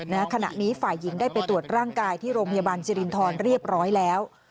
ขณะนี้ฝ่ายหญิงได้ไปตรวจร่างกายที่โรงพยาบาลสิรินทรเรียบร้อยแล้ว